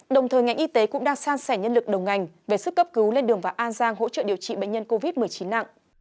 đồng thời ngành y tế cũng đang san sẻ nhân lực đầu ngành về sức cấp cứu lên đường và an giang hỗ trợ điều trị bệnh nhân covid một mươi chín nặng